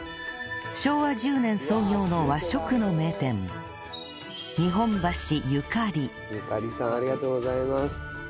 昭和１０年創業の和食の名店日本橋ゆかりゆかりさんありがとうございます。